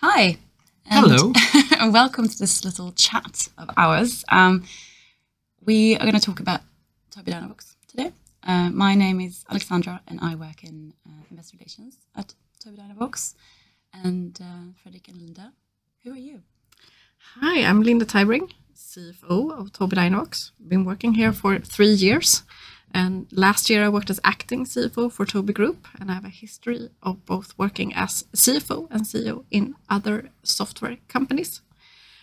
Hi. Hello. Welcome to this little chat of ours. We are gonna talk about Tobii Dynavox today. My name is Alexandra, and I work in Investor Relations at Tobii Dynavox. Fredrik and Linda, who are you? Hi, I'm Linda Tybring, CFO of Tobii Dynavox. Been working here for three years, and last year I worked as acting CFO for Tobii AB, and I have a history of both working as CFO and CEO in other software companies.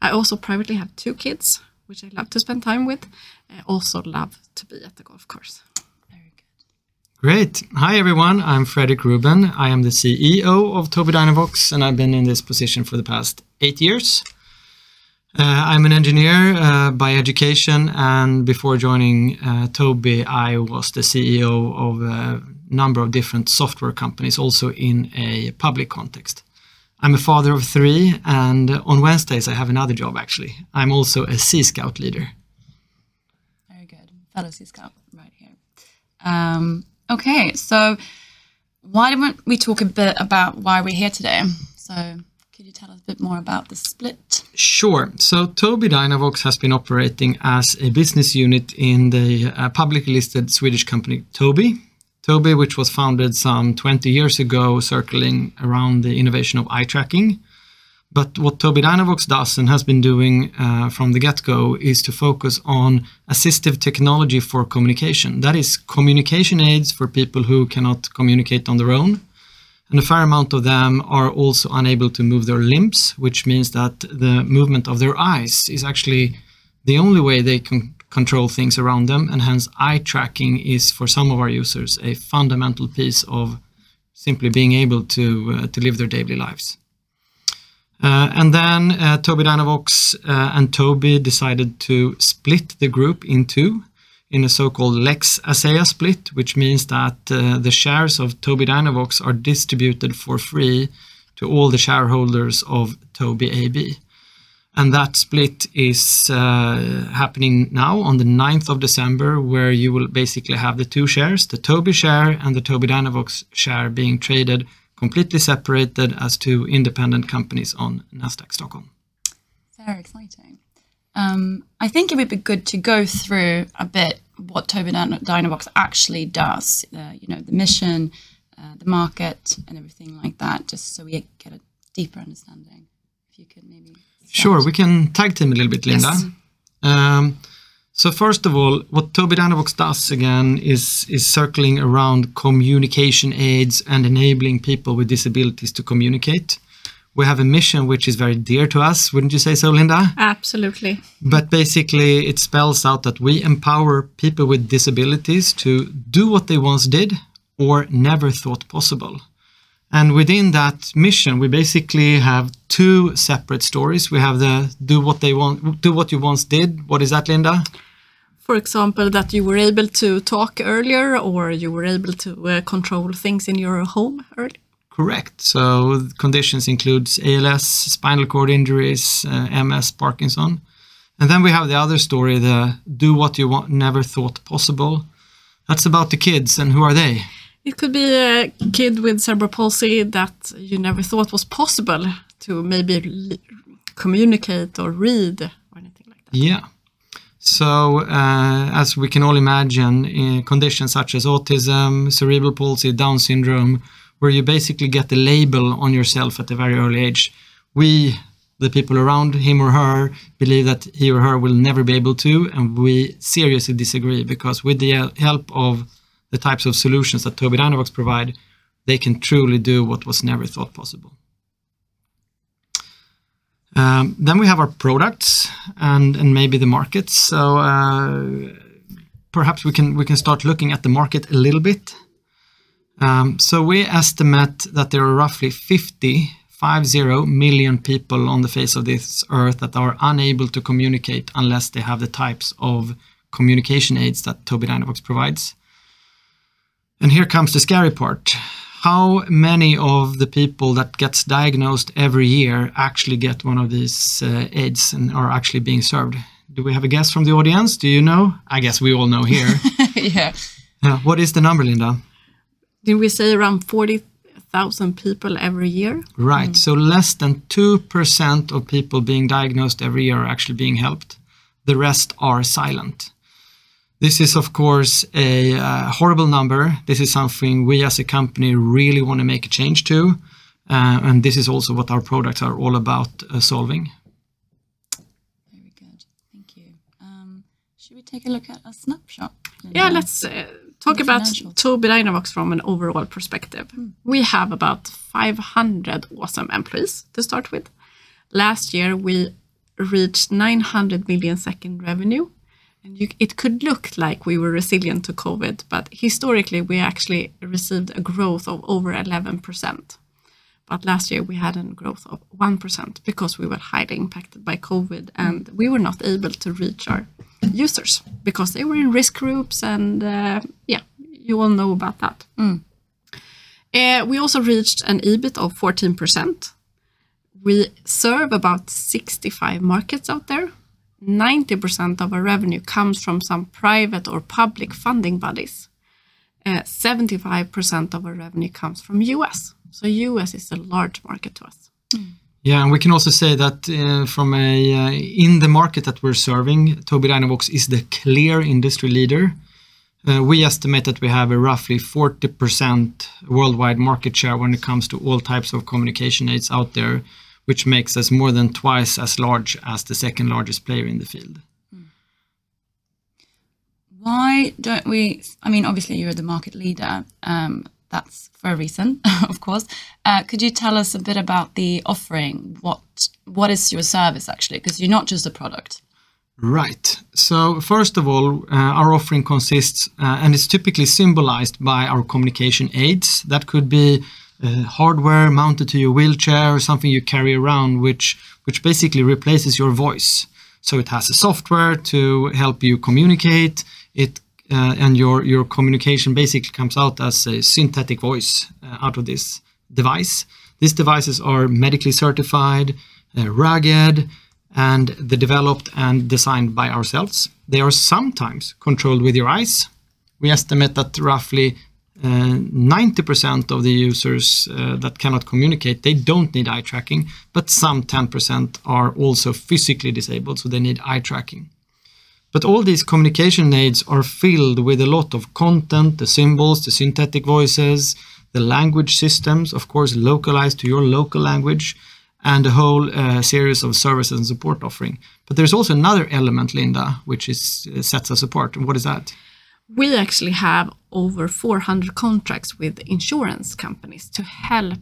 I also privately have two kids, which I love to spend time with. I also love to be at the golf course. Very good. Great. Hi, everyone. I'm Fredrik Ruben. I am the CEO of Tobii Dynavox, and I've been in this position for the past eight years. I'm an engineer by education, and before joining Tobii, I was the CEO of a number of different software companies, also in a public context. I'm a father of three, and on Wednesdays I have another job actually. I'm also a Sea Scout leader. Very good. Fellow Sea Scout right here. Why don't we talk a bit about why we're here today? Could you tell us a bit more about the split? Sure. Tobii Dynavox has been operating as a business unit in the publicly listed Swedish company, Tobii. Tobii, which was founded some 20 years ago, circling around the innovation of eye tracking. What Tobii Dynavox does and has been doing from the get-go is to focus on assistive technology for communication. That is communication aids for people who cannot communicate on their own, and a fair amount of them are also unable to move their limbs, which means that the movement of their eyes is actually the only way they can control things around them, and hence, eye tracking is, for some of our users, a fundamental piece of simply being able to live their daily lives. Tobii Dynavox and Tobii decided to split the group in two, in a so-called Lex Asea split, which means that the shares of Tobii Dynavox are distributed for free to all the shareholders of Tobii AB. That split is happening now on the December 9th, 2021 where you will basically have the two shares, the Tobii share and the Tobii Dynavox share being traded, completely separated as two independent companies on Nasdaq Stockholm. Very exciting. I think it would be good to go through a bit what Tobii Dynavox actually does, you know, the mission, the market, and everything like that, just so we get a deeper understanding. If you could maybe start. Sure. We can tag team a little bit, Linda. Yes. First of all, what Tobii Dynavox does, again, is circling around communication aids and enabling people with disabilities to communicate. We have a mission which is very dear to us. Wouldn't you say so, Linda? Absolutely. Basically it spells out that we empower people with disabilities to do what they once did or never thought possible. Within that mission, we basically have two separate stories. We have do what you once did. What is that, Linda? For example, that you were able to talk earlier, or you were able to control things in your home earlier. Correct. Conditions includes ALS, spinal cord injuries, MS, Parkinson's. We have the other story, the do what you want never thought possible. That's about the kids, and who are they? It could be a kid with cerebral palsy that you never thought was possible to maybe communicate or read or anything like that. Yeah. As we can all imagine, in conditions such as autism, cerebral palsy, Down syndrome, where you basically get a label on yourself at a very early age, we, the people around him or her, believe that he or her will never be able to, and we seriously disagree, because with the help of the types of solutions that Tobii Dynavox provide, they can truly do what was never thought possible. We have our products and maybe the markets. Perhaps we can start looking at the market a little bit. We estimate that there are roughly 50 million people on the face of this earth that are unable to communicate unless they have the types of communication aids that Tobii Dynavox provides. Here comes the scary part. How many of the people that gets diagnosed every year actually get one of these, aids and are actually being served? Do we have a guess from the audience? Do you know? I guess we all know here. Yeah. Yeah. What is the number, Linda? Did we say around 40,000 people every year? Right. Less than 2% of people being diagnosed every year are actually being helped. The rest are silent. This is, of course, a horrible number. This is something we as a company really wanna make a change to, and this is also what our products are all about, solving. Very good. Thank you. Should we take a look at a snapshot? Yeah. Let's talk about. Financial Tobii Dynavox from an overall perspective. Mm-hmm. We have about 500 awesome employees to start with. Last year, we reached 900 million in revenue. It could look like we were resilient to COVID, but historically we actually received a growth of over 11%. Last year we had an growth of 1% because we were highly impacted by COVID, and we were not able to reach our users because they were in risk groups and you all know about that. Mm. We also reached an EBIT of 14%. We serve about 65 markets out there. 90% of our revenue comes from some private or public funding bodies. 75% of our revenue comes from U.S., so U.S. is a large market to us. Mm. Yeah, we can also say that, in the market that we're serving, Tobii Dynavox is the clear industry leader. We estimate that we have a roughly 40% worldwide market share when it comes to all types of communication aids out there, which makes us more than twice as large as the second-largest player in the field. I mean, obviously you're the market leader. That's for a reason of course. Could you tell us a bit about the offering? What is your service actually? 'Cause you're not just a product. Right. First of all, our offering consists and is typically symbolized by our communication aids. That could be hardware mounted to your wheelchair or something you carry around which basically replaces your voice. It has a software to help you communicate. It and your communication basically comes out as a synthetic voice out of this device. These devices are medically certified, rugged, and they're developed and designed by ourselves. They are sometimes controlled with your eyes. We estimate that roughly 90% of the users that cannot communicate, they don't need eye tracking, but some 10% are also physically disabled, so they need eye tracking. All these communication aids are filled with a lot of content, the symbols, the synthetic voices, the language systems, of course localized to your local language, and a whole series of services and support offering. There's also another element, Linda, which is sets us apart, and what is that? We actually have over 400 contracts with insurance companies to help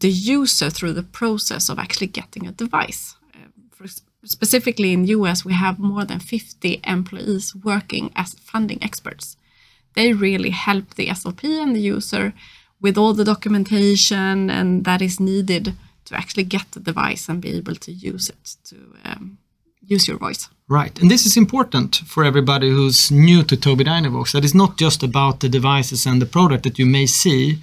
the user through the process of actually getting a device. For specifically in U.S., we have more than 50 employees working as funding experts. They really help the SLP and the user with all the documentation and that is needed to actually get the device and be able to use it to use your voice. Right. This is important for everybody who's new to Tobii Dynavox, that it's not just about the devices and the product that you may see.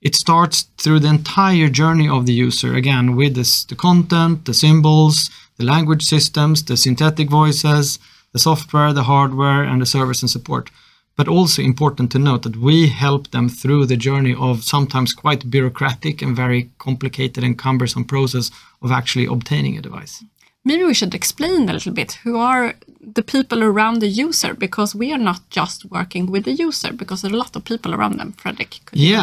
It starts through the entire journey of the user, again, with the content, the symbols, the language systems, the synthetic voices, the software, the hardware, and the service and support. Also important to note that we help them through the journey of sometimes quite bureaucratic and very complicated and cumbersome process of actually obtaining a device. Maybe we should explain a little bit who are the people around the user, because we are not just working with the user, because there are a lot of people around them. Fredrik, could you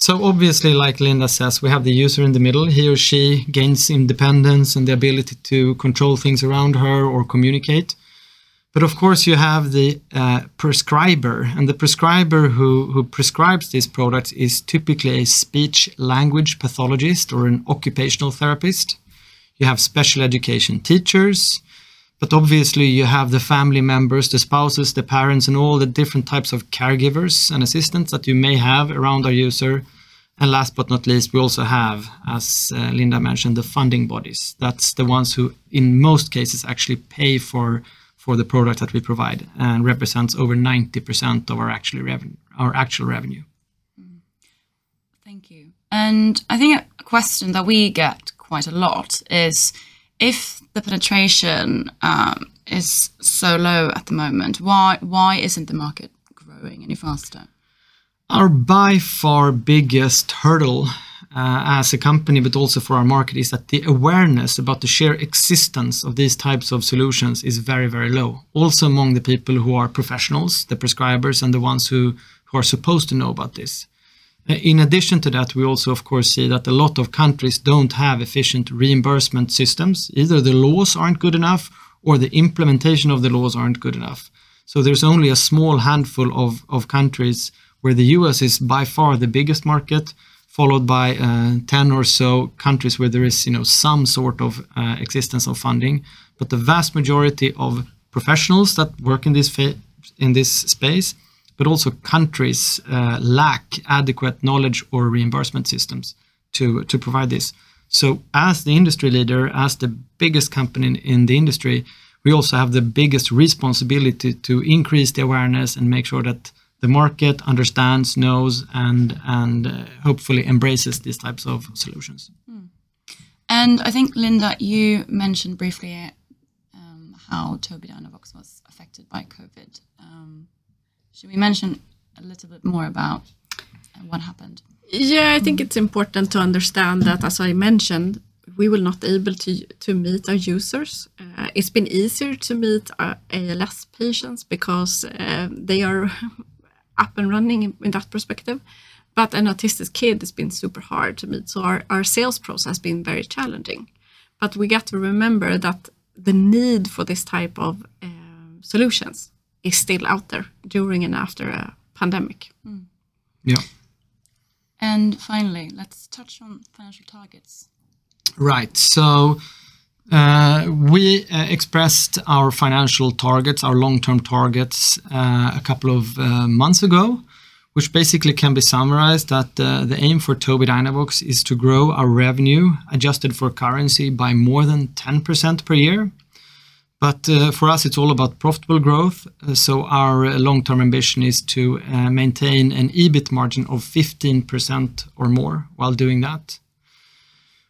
elaborate? Yeah. Obviously, like Linda says, we have the user in the middle. He or she gains independence and the ability to control things around her or communicate. Of course you have the prescriber, and the prescriber who prescribes this product is typically a speech-language pathologist or an occupational therapist. You have special education teachers, but obviously you have the family members, the spouses, the parents, and all the different types of caregivers and assistants that you may have around a user. Last but not least, we also have, as Linda mentioned, the funding bodies. That's the ones who in most cases actually pay for the product that we provide, and represents over 90% of our actual revenue. Thank you. I think a question that we get quite a lot is if the penetration is so low at the moment, why isn't the market growing any faster? Our by far biggest hurdle, as a company, but also for our market, is that the awareness about the sheer existence of these types of solutions is very, very low, also among the people who are professionals, the prescribers, and the ones who are supposed to know about this. In addition to that, we also of course see that a lot of countries don't have efficient reimbursement systems. Either the laws aren't good enough or the implementation of the laws aren't good enough. There's only a small handful of countries where the U.S. is by far the biggest market, followed by 10 or so countries where there is, you know, some sort of existence of funding. The vast majority of professionals that work in this space, but also countries, lack adequate knowledge or reimbursement systems to provide this. As the industry leader, as the biggest company in the industry, we also have the biggest responsibility to increase the awareness and make sure that the market understands, knows, and hopefully embraces these types of solutions. I think, Linda, you mentioned briefly how Tobii Dynavox was affected by COVID. Shall we mention a little bit more about what happened? Yeah, I think it's important to understand that, as I mentioned, we were not able to meet our users. It's been easier to meet our ALS patients because they are up and running in that perspective. An autistic kid has been super hard to meet, so our sales process has been very challenging. We got to remember that the need for this type of solutions is still out there during and after a pandemic. Mm. Yeah. Finally, let's touch on financial targets. Right. We expressed our financial targets, our long-term targets, a couple of months ago, which basically can be summarized that the aim for Tobii Dynavox is to grow our revenue, adjusted for currency, by more than 10% per year. For us it's all about profitable growth. Our long-term ambition is to maintain an EBIT margin of 15% or more while doing that.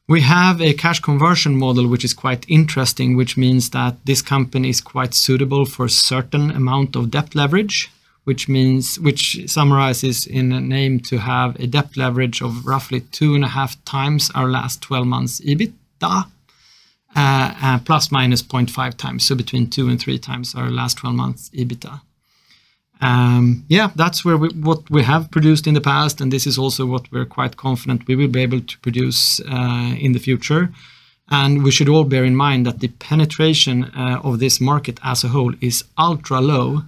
We have a cash conversion model, which is quite interesting, which means that this company is quite suitable for a certain amount of debt leverage, which means which summarizes net to have a debt leverage of roughly 2.5x our last 12 months EBITDA, plus minus 0.5x. Between 2x and 3x our last 12 months EBITDA. Yeah, what we have produced in the past, and this is also what we're quite confident we will be able to produce in the future. We should all bear in mind that the penetration of this market as a whole is ultra low.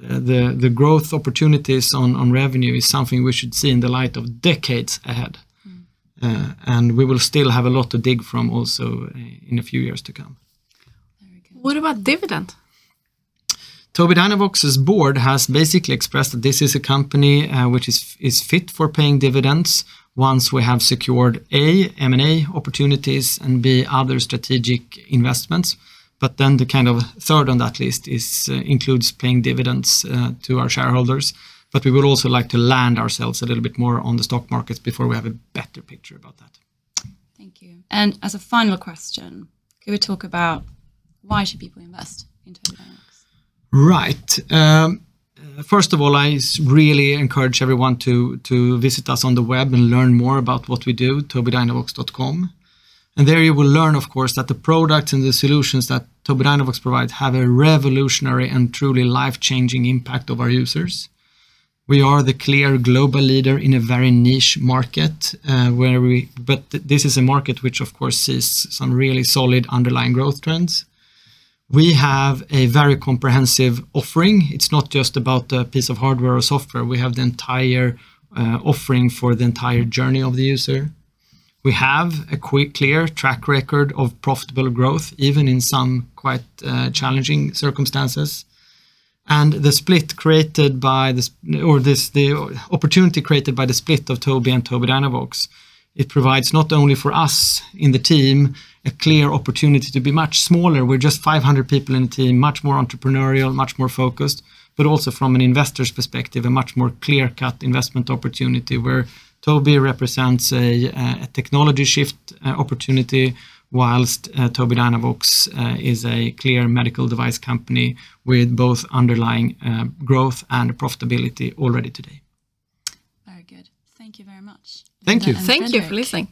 The growth opportunities on revenue is something we should see in the light of decades ahead. Mm. We will still have a lot to dig from also in a few years to come. Very good. What about dividend? Tobii Dynavox's board has basically expressed that this is a company which is fit for paying dividends once we have secured A, M&A opportunities, and B, other strategic investments. The kind of third on that list includes paying dividends to our shareholders. We would also like to land ourselves a little bit more on the stock markets before we have a better picture about that. Thank you. As a final question, can we talk about why should people invest in Tobii Dynavox? Right. First of all, I really encourage everyone to visit us on the web and learn more about what we do, tobiidynavox.com. There you will learn, of course, that the products and the solutions that Tobii Dynavox provides have a revolutionary and truly life-changing impact of our users. We are the clear global leader in a very niche market, but this is a market which, of course, sees some really solid underlying growth trends. We have a very comprehensive offering. It's not just about a piece of hardware or software. We have the entire offering for the entire journey of the user. We have a quick, clear track record of profitable growth, even in some quite challenging circumstances. The opportunity created by the split of Tobii and Tobii Dynavox provides not only for us in the team a clear opportunity to be much smaller. We're just 500 people in the team, much more entrepreneurial, much more focused, but also from an investor's perspective, a much more clear-cut investment opportunity where Tobii represents a technology shift opportunity, whilst Tobii Dynavox is a clear medical device company with both underlying growth and profitability already today. Very good. Thank you very much. Thank you. Linda and Fredrik. Thank you for listening.